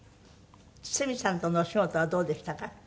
堤さんとのお仕事はどうでしたか？